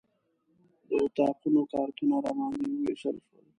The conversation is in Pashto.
د اتاقونو کارتونه راباندې ووېشل شول.